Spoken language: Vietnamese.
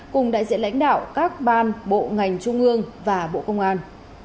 cùng đại diện lãnh đạo các ban bộ ngành trung ương và bộ công an